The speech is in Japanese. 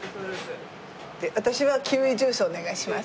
で私はキウイジュースをお願いします。